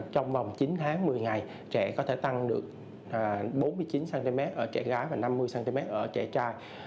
trong vòng chín tháng một mươi ngày trẻ có thể tăng được bốn mươi chín cm ở trẻ gái và năm mươi cm ở trẻ trai